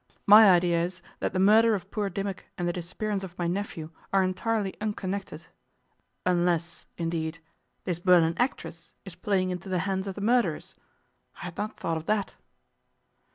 My idea is that the murder of poor Dimmock and the disappearance of my nephew are entirely unconnected unless, indeed, this Berlin actress is playing into the hands of the murderers. I had not thought of that.